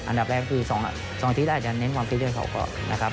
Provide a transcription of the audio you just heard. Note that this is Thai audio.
อันดับแรกคือ๒อาทิตย์แล้วอาจจะเน้นความฟิตด้วยเขาก่อนนะครับ